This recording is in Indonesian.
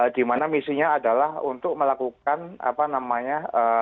dimana misinya adalah untuk melakukan apa namanya